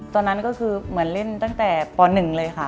ตอนนั้นก็คือเหมือนเล่นตั้งแต่ป๑เลยค่ะ